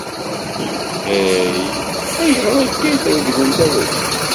Hey! Ayɣer akka ay treglemt abrid?